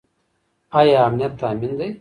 ايا امنيت تامين دی؟